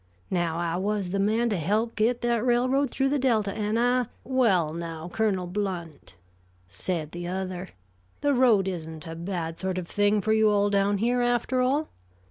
Now, I was the man to help get that railroad through the Delta, and I " "Well, now, Colonel Blount," said the other, "the road isn't a bad sort of thing for you all down here, after all.